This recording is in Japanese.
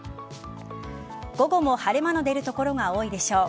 午後も晴れ間の出る所が多いでしょう。